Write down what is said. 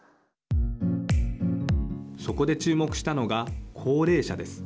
そこで注目したのが高齢者です。